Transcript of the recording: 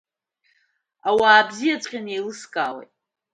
Ауаа бзиаҵәҟьаны еилыскаауеит.